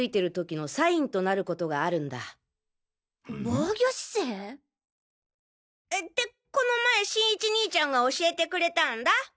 防御姿勢？ってこの前新一兄ちゃんが教えてくれたんだ。